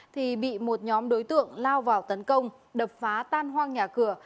thì bị một nhóm đối tượng lao vào tấn công đập phá tan hoang nhà cửa